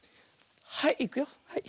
はいいくよ。